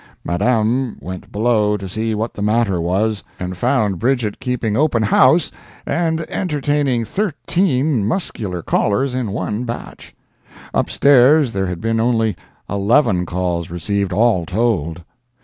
Madame went below to see what the matter was, and found Bridget keeping "open house" and entertaining thirteen muscular callers in one batch. Up stairs there had been only eleven calls received, all told.